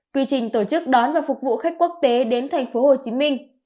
quy trình tổ chức đón và phục vụ khách quốc tế đến thành phố hồ chí minh